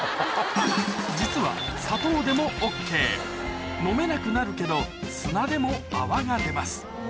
実は砂糖でもＯＫ飲めなくなるけど砂でも泡が出ます